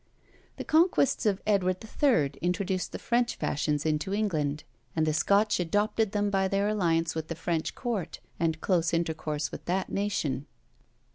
The conquests of Edward III. introduced the French fashions into England; and the Scotch adopted them by their alliance with the French court, and close intercourse with that nation.